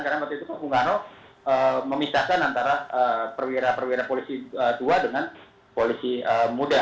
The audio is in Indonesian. karena waktu itu bung ngaro memistakan antara perwira perwira polisi tua dengan polisi muda